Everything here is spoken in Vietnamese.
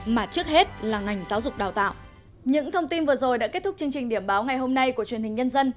mà trước hết là ngành giáo dục đào tạo